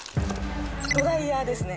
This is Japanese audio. ドライヤーですね。